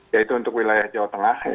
yaitu untuk wilayah jawa tengah